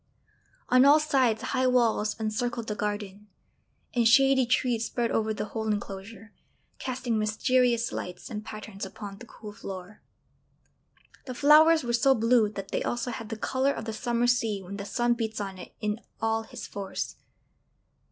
On all sides high walls encircled the garden, and shady trees spread over the whole enclosure, casting mysterious lights and patterns upon the cool floor. The flowers were so blue that they also had the colour of the summer sea when the sun beats on it in all his force.